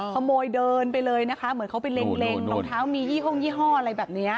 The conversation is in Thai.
ขโมยเดินไปเลยนะคะเหมือนเขาไปเล็งรองเท้ามียี่ห้องยี่ห้ออะไรแบบนี้